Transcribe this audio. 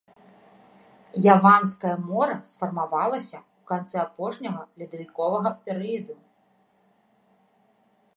Яванскае мора сфармавалася ў канцы апошняга ледавіковага перыяду.